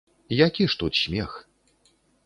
Які ж тут смех?